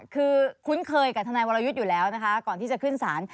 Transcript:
คือคุ้นเคยกับทนายวรยุทธ์อยู่แล้วนะคะก่อนที่จะขึ้นศาล